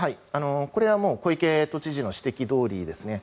これは小池都知事の指摘どおりですね。